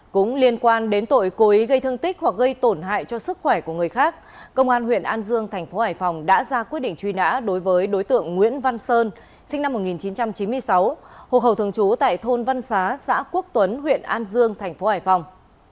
cũng liên quan đến tội cố ý gây thương tích hoặc gây tổn hại cho sức khỏe của người khác công an huyện an dương thành phố hải phòng đã ra quyết định truy nã đối với đối tượng nguyễn văn sơn sinh năm một nghìn chín trăm chín mươi sáu hộ khẩu thường trú tại thôn văn xá xã quốc tuấn huyện an dương thành phố hải phòng